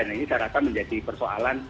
ini saya rasa menjadi persoalan